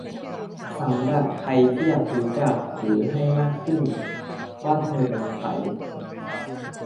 สำหรับใครที่อยากรู้จัก หรือ ให้มากขึ้น ว่าเธอคือใคร